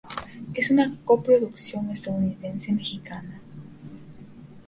Es una coproducción estadounidense-mexicana.